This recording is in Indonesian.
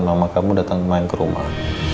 nama kamu datang main ke rumah